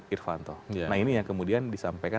irvanto nah ini yang kemudian disampaikan